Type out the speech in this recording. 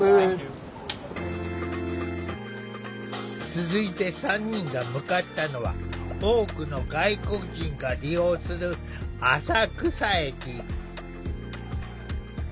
続いて３人が向かったのは多くの外国人が利用する浅草駅。